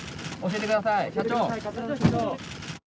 教えてください桂田社長。